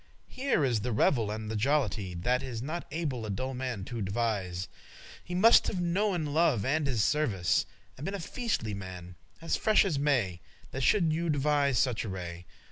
Here is the revel and the jollity, That is not able a dull man to devise:* *describe He must have knowen love and his service, And been a feastly* man, as fresh as May, *merry, gay That shoulde you devise such array.